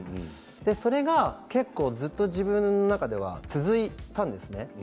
それが結構ずっと自分の中では続いたんですね。